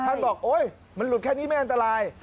บอกโอ๊ยมันหลุดแค่นี้ไม่อันตราย